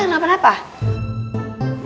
ustadz lu kenapa kenapa